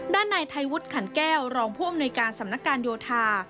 ด้านนายไทยวุฒิขันแก้วรองผู้อำนวยการสำนักการโยธา